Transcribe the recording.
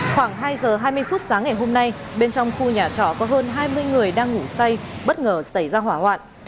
khoảng hai giờ hai mươi phút sáng ngày hôm nay bên trong khu nhà trọ có hơn hai mươi người đang ngủ say bất ngờ xảy ra hỏa hoạn